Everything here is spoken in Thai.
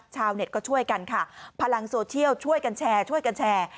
ชาวเน็ตก็ช่วยกันค่ะพลังโซเชียลช่วยกันแชร์ช่วยกันแชร์